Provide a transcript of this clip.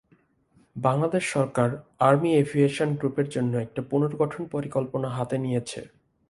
বাংলাদেশ সরকার army aviation গ্রুপের জন্য একটি পুনর্গঠন পরিকল্পনা হাতে নিয়েছে।